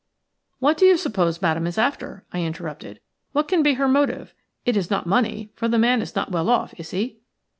"What do you suppose Madame is after?" I interrupted, "What can be her motive? It is not money, for the man is not well off; is he?"